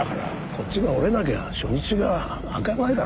こっちが折れなきゃ初日が開かないだろう。